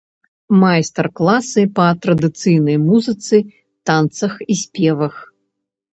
Майстар-класы па традыцыйнай музыцы, танцах і спевах.